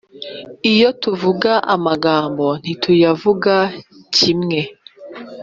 Iyo tuvuga amagambo ntituyavuga kimwe.